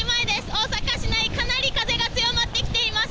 大阪市内、かなり風が強まってきています。